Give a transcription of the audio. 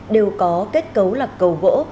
đều có kết cấu là cầu gỗ